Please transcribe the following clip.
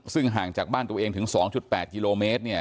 ซึ่งห่างจากบ้านตัวเองถึง๒๘กิโลเมตรเนี่ย